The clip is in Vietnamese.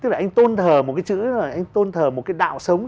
và một cái chữ là anh tôn thờ một cái đạo sống